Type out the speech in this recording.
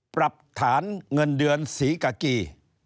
ปรับฐานเงินเดือนศรีกากี